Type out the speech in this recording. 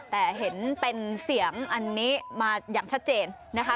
แต่เห็นเป็นเสียงอันนี้มาอย่างชัดเจนนะคะ